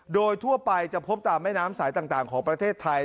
โดยทั่วไปจะพบตามแม่น้ำสายต่างของประเทศไทย